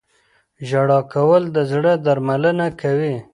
• ژړا کول د زړه درملنه کوي.